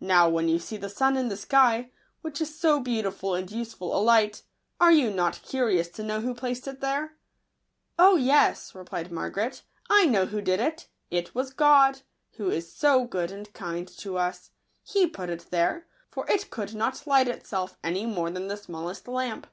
Now, when you see the sun in the sky, which is so beautiful and useful a light, are you not curious to know who placed it there ?"" Oh yes," replied Margaret ;" I know who did it — it was God, who is so good and kind tons. He put it there ; for it could not light itself, any more than the smallest lamp.